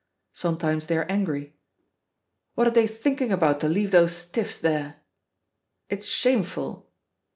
Sometimes they are angry "What are they thinking about to leave those stiffs there?" "It's shameful."